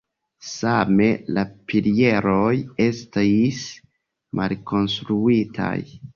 Same la pilieroj estis malkonstruitaj.